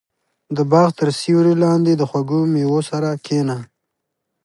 • د باغ تر سیوري لاندې د خوږو مېوو سره کښېنه.